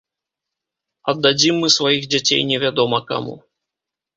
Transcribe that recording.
Аддадзім мы сваіх дзяцей невядома каму.